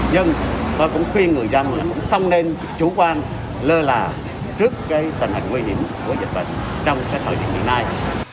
nhưng tôi cũng khuyên người dân không nên chủ quan lơ là trước cái tình hình nguy hiểm của dịch bệnh trong cái thời điểm hiện nay